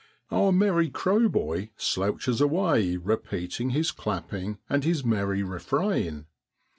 Our merry crow boy slouches away repeating his clapping and his merry refrain.